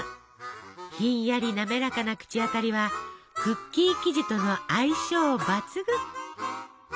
ひんやりなめらかな口当たりはクッキー生地との相性抜群。